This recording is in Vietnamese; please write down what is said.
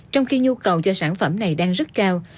trong khi nhu cầu cho sản phẩm này đang rất cao